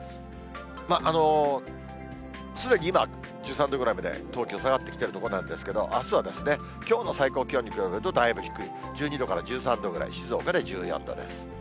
すでに今、１３度ぐらいまで東京下がってきているところなんですけど、あすはきょうの最高気温に比べるとだいぶ低い、１２度から１３度ぐらい、静岡で１４度です。